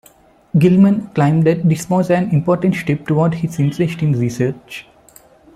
Gilman claimed that this was an important step toward his interest in research.